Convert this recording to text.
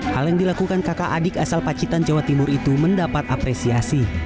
hal yang dilakukan kakak adik asal pacitan jawa timur itu mendapat apresiasi